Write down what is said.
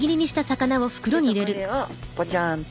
えっとこれをポチャンと。